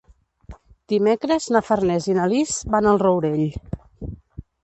Dimecres na Farners i na Lis van al Rourell.